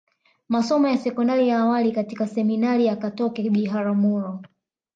Masomo ya sekondari ya awali katika Seminari ya Katoke Biharamulo